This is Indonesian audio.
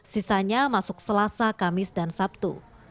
sisanya masuk selasa kamis dan sabtu